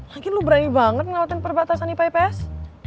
mungkin lo berani banget ngelakuin perbatasan ips